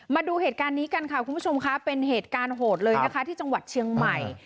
มาดูเหตุการณ์นี้กันค่ะคุณผู้ชมค่ะเป็นเหตุการณ์โหดเลยนะคะที่จังหวัดเชียงใหม่